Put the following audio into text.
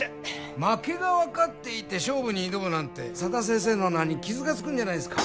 負けが分かっていて勝負に挑むなんて佐田先生の名に傷がつくんじゃないですか？